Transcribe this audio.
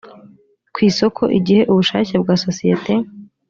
ku isoko igihe ubushake bwa sosiyete